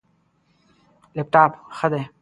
لپټاپ، ښه ده